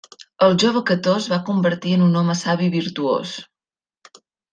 El jove Cató es va convertir en un home savi i virtuós.